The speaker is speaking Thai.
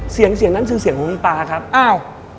เสียงเสียงนั้นคือเสียงของคุณปลาครับอ้าว